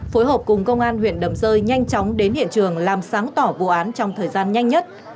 phối hợp cùng công an huyện đầm rơi nhanh chóng đến hiện trường làm sáng tỏ vụ án trong thời gian nhanh nhất